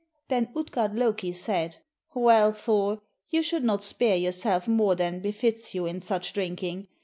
Then Utgard Loki said "Well, Thor, you should not spare yourself more than befits you in such drinking.